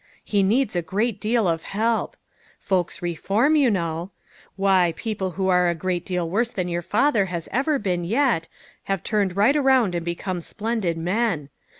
He needs a great deal of help. Folks reform, you know. Why, people who are a great deal JTEW FRIENDS. 81 worse than your father has ever been yet, have turned right around and become splendid men.